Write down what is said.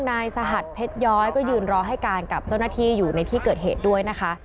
นายสหัสเพชรย้อยก็ยืนรอให้การกับเจ้าหน้าที่อยู่ในที่เกิดเหตุด้วยนะคะ